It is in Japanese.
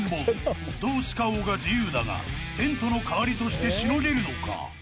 ［どう使おうが自由だがテントの代わりとしてしのげるのか］